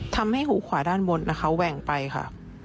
ทำให้หูขวาด้านบนนะคะแหว่งไปค่ะ